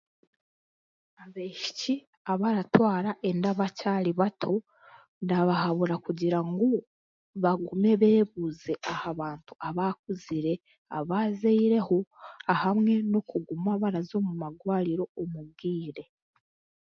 Abaishiki abaratwara enda bakyari bato ndabahabura kugira ngu bagume beebuze aha bantu abaakuzire abaazaireho hamwe n'okuguma baraza omu marwariro omu bwaire.